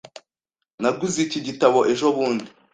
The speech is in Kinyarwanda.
Naguze iki gitabo ejobundi.